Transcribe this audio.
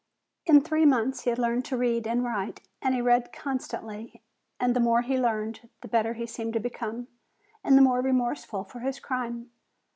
In three months he had learned to read and write, and he read constantly; and the more he learned, the better he seemed to become, and the more remorseful for his crime.